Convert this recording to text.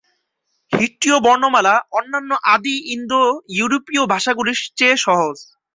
হিট্টীয় বর্ণমালা, অন্যান্য আদি ইন্দো-ইউরোপীয় ভাষাগুলির চেয়ে সহজ।